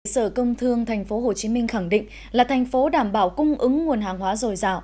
sở công thương tp hcm khẳng định là thành phố đảm bảo cung ứng nguồn hàng hóa dồi dào